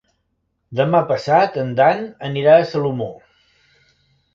Demà passat en Dan anirà a Salomó.